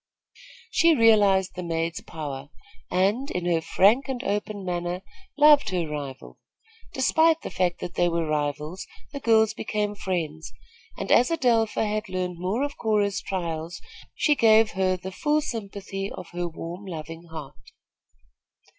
She realized the maid's power and, in her frank and open manner, loved her rival. Despite the fact that they were rivals, the girls became friends, and as Adelpha had learned more of Cora's trials, she gave her the full sympathy of her warm, loving heart.